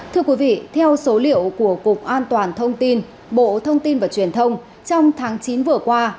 thưa quý vị theo số liệu của cục an toàn thông tin bộ thông tin và truyền thông trong tháng chín vừa qua